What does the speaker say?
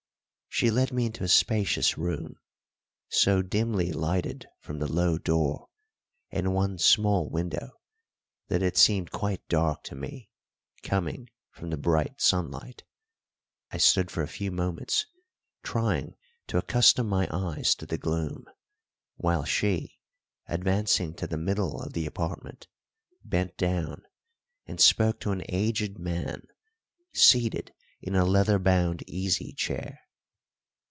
She led me into a spacious room, so dimly lighted from the low door and one small window that it seemed quite dark to me coming from the bright sunlight. I stood for a few moments trying to accustom my eyes to the gloom, while she, advancing to the middle of the apartment, bent down and spoke to an aged man seated in a leather bound easy chair.